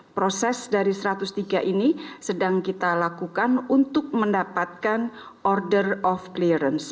proses dari satu ratus tiga ini sedang kita lakukan untuk mendapatkan order of clearance